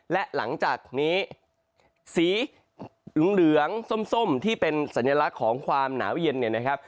และหลังจากนี้สีเหลืองส้มที่เป็นสัญลักษณ์ของความหนาวเย็นเนี่ยนะครับ